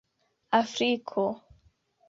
Afriko